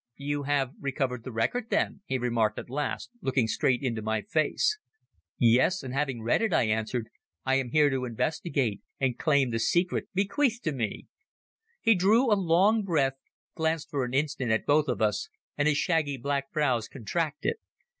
"You have recovered the record, then," he remarked at last, looking straight into my face. "Yes, and having read it," I answered, "I am here to investigate and claim the secret bequeathed to me." He drew a long breath, glanced for an instant at both of us, and his shaggy black brows contracted.